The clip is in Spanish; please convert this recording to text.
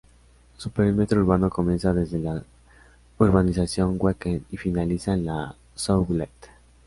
Su perímetro urbano comienza desde las urbanización Weekend y finaliza en La Soublette.